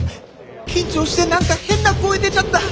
緊張して何か変な声出ちゃった。